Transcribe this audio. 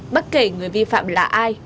bất kể người vi phạm là ai